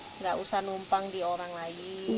tidak usah numpang di orang lain